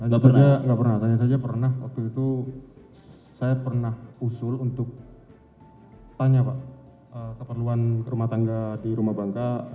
tanya saja pernah waktu itu saya pernah usul untuk tanya pak keperluan rumah tangga di rumah bangka